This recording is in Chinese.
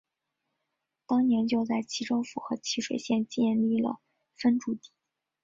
当年就在沂州府和沂水县建立了分驻地。